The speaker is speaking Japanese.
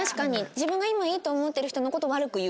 自分が今いいと思ってる人の事を悪く言うっていうね。